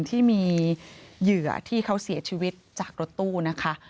ที่มีเหยื่อที่เขาเสียชีวิตจากรถตู้นะคะ